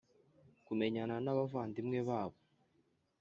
kumenyana n’abavandimwe babo.